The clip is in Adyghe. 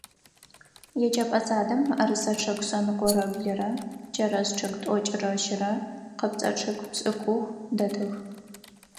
Еджэпӏэ садым мыӏэрысэ чъыг шъэныкъорэ блырэ, чэрэз чъыг тӏокӏырэ щырэ, къыпцӏэ чъыг пшӏыкӏух дэтых.